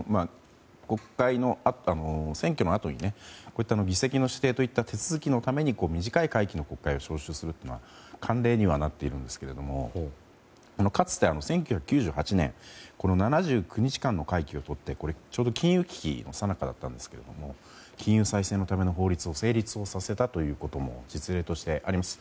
国会の、選挙のあとに議席の指定といった手続きのために短い会期の国会を召集するのは慣例になっているんですがかつて、１９９８年７９日間の会期をとってちょうど金融危機のさなかだったんですけれども金融再生のための法律を成立させたことも実例としてあります。